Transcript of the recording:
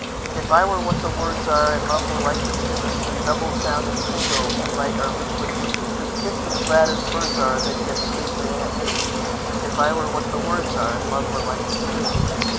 If I were what the words are, And love were like the tune, With double sound and singleDelight our lips would mingle, With kisses glad as birds areThat get sweet rain at noon; If I were what the words areAnd love were like the tune.